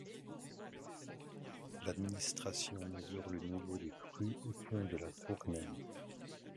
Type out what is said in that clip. L'administration mesure le niveau des crues au pont de la Tournelle.